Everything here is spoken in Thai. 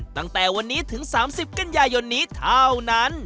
ตั้งแต่วันนี้ถึง๓๐กันยายนนี้เท่านั้น